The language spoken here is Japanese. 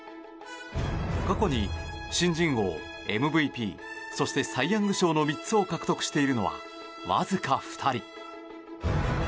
過去に新人王、ＭＶＰそしてサイ・ヤング賞の３つを獲得しているのはわずか２人。